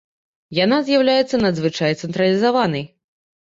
Яна з'яўляецца надзвычай цэнтралізаванай.